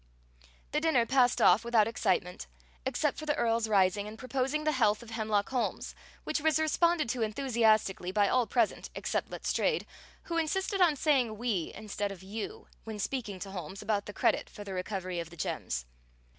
The dinner passed off without excitement, except for the Earl's rising and proposing the health of Hemlock Holmes, which was responded to enthusiastically by all present except Letstrayed, who insisted on saying "we" instead of "you" when speaking to Holmes about the credit for the recovery of the gems.